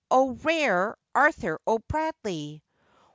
O! rare Arthur O'Bradley!